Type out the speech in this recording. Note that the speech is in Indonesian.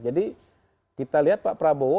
jadi kita lihat pak prabowo